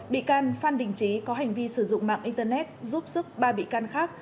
bị can phan đình trí có hành vi sử dụng mạng internet giúp sức ba bị can khác